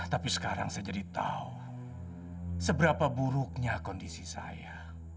tapi sekarang saya jadi tahu seberapa buruknya kondisi saya